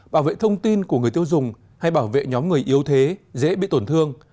bảo vệ thông tin của người tiêu dùng hay bảo vệ nhóm người yếu thế dễ bị tổn thương